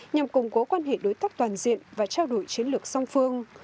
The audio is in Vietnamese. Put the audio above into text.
nhằm củng cố quan hệ đối tác toàn diện và trao đổi chiến lược song phương